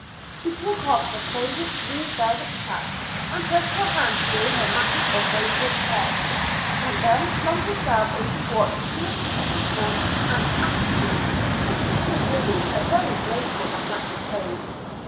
She took off her favorite blue velvet cap and pushed her hand through her masses of radiant hair, and then flung herself into what she was pleased to call an attitude, but which was really a very graceful and natural pose.